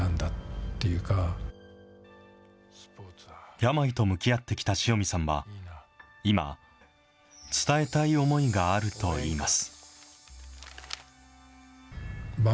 病と向き合ってきた塩見さんは、今、伝えたい思いがあるといいます。